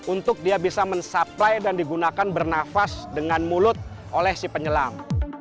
untuk dia bisa mensupply dan digunakan bernafas dengan mulut oleh si penyelam